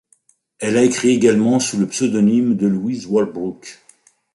Elle a écrit également sous le pseudonyme de Louise Walbrook.